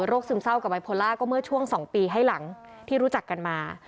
ซึมเศร้ากับไบโพล่าก็เมื่อช่วง๒ปีให้หลังที่รู้จักกันมา